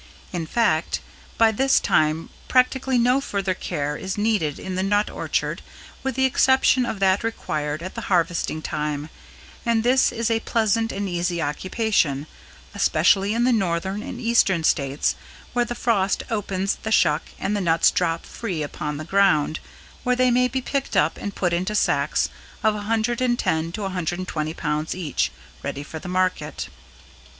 In fact, by this time practically no further care is needed in the nut orchard with the exception of that required at the harvesting time, and this is a pleasant and easy occupation, especially in the Northern and Eastern states where the frost opens the shuck and the nuts drop free upon the ground where they may be picked up and put into sacks of 110 to 120 pounds each, ready for the market.